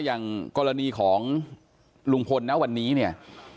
อย่างกรณีของลุงพลนะวันนี้เนี่ย